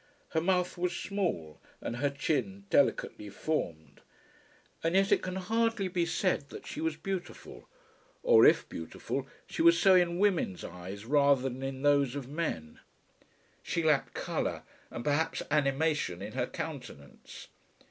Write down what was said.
Her mouth was small, and her chin delicately formed. And yet it can hardly be said that she was beautiful. Or, if beautiful, she was so in women's eyes rather than in those of men. She lacked colour and perhaps animation in her countenance.